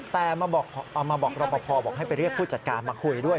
แต่มาบอกรอปภบอกให้ไปเรียกผู้จัดการมาคุยด้วย